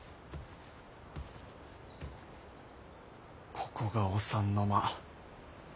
ここがお三の間。